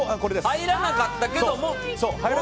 入らなかったけども。